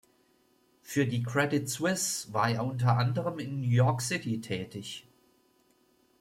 Für die Credit Suisse war er unter anderem in New York City tätig.